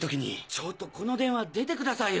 ちょっとこの電話出て下さいよ。